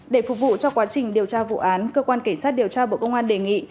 để phục vụ cho quá trình điều tra vụ án cơ quan cảnh sát điều tra bộ công an đề nghị